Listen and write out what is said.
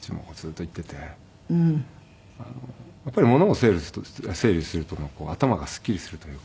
やっぱりものを整理すると頭がすっきりするというか。